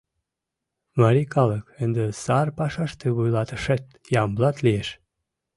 — Марий калык, ынде сар пашаште вуйлатышет Ямблат лиеш!